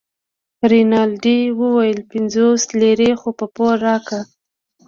رینالډي وویل پنځوس لیرې خو په پور راکړه.